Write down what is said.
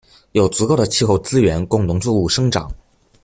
有足够的气候资源供农作物生长。